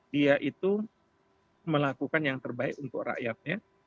dia itu melakukan yang terbaik untuk rakyatnya